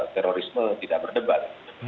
terorisme tidak berdebat